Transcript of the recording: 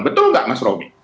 betul nggak mas romi